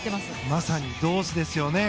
まさに同志ですね。